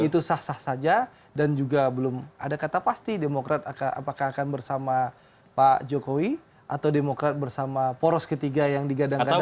itu sah sah saja dan juga belum ada kata pasti demokrat apakah akan bersama pak jokowi atau demokrat bersama poros ketiga yang digadang gadang